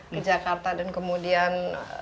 ke jakarta dan kemudian